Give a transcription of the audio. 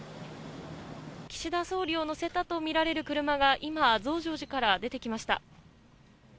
岸田総理を乗せたと見られる車が、今、増上寺から出てきました。